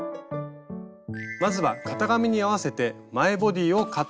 まずは型紙に合わせて前ボディーをカットしていきます。